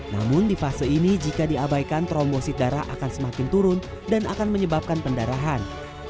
namun di fase ini jika diabaikan trombosit darah akan semakin turun dan akan menyebabkan pendarahan